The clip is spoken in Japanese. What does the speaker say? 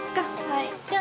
はい。